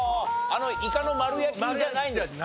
あのイカの丸焼きじゃないんですね。